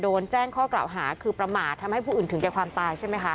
โดนแจ้งข้อกล่าวหาคือประมาททำให้ผู้อื่นถึงแก่ความตายใช่ไหมคะ